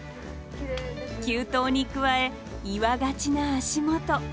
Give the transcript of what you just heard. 急登に加え岩がちな足元。